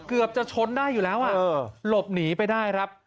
เกือบจะชนได้อยู่แล้วหลบหนีไปได้ครับ